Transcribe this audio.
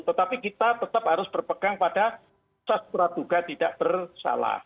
tetapi kita tetap harus berpegang pada sastra duga tidak bersalah